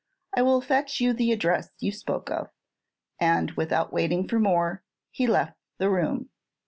I will fetch you the address you spoke of;" and without waiting for more, he left the room.